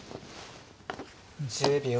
１０秒。